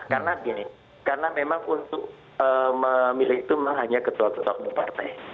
karena gini karena memang untuk memilih itu memang hanya ketua ketua umum partai